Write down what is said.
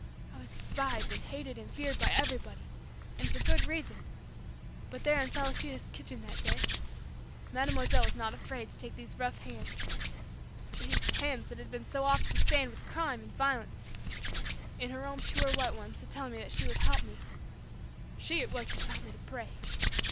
I was despised and hated and feared by everybody, and for good reason. But there in Celestina's kitchen that day, Mademoiselle was not afraid to take these rough hands these hands that had been so often stained with crime and violence in her own pure white ones to tell me she would help me! She it was who taught me to pray.